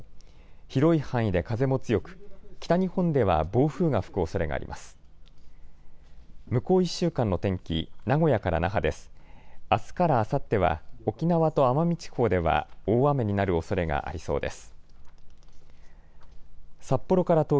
広い範囲で風も強く、北日本では暴風が吹くおそれがあります。